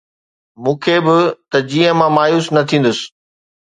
مون کي به، ته جيئن مان مايوس نه ٿيندس